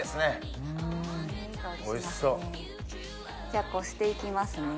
じゃこして行きますね。